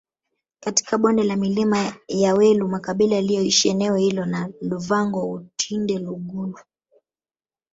katika bonde la milima ya welu makabila yaliyoishi eneo hilo ni Luvango wutinde lugulu